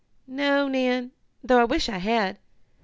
"No, Nan, though I wish I had.